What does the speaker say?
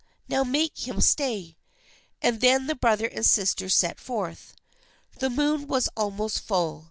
Now make him stay." And then the brother and sister set forth. The moon was almost full.